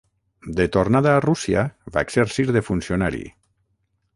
De tornada a Rússia, va exercir de funcionari.